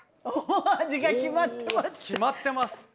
お決まってます！